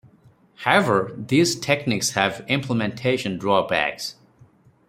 However, these techniques have implementation drawbacks.